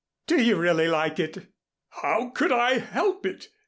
"Do you really like it?" "How could I help it?